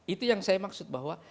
itu yang saya maksud bahwa